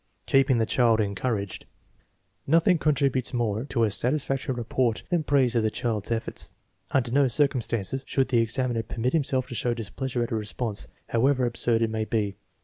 Keeping the child encouraged. Nothing contributes more to a satisfactory rapport than praise of the child's efforts. Under no circumstances should the examiner permit himself to show displeasure at a response, however absurd it may be.